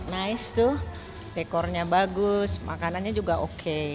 nice tuh dekornya bagus makanannya juga oke